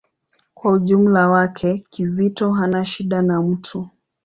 Kwa ujumla wake, Kizito hana shida na mtu.